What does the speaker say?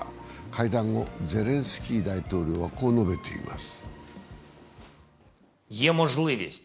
会談後、ゼレンスキー大統領はこう述べています。